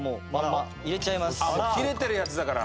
あっ切れてるやつだから。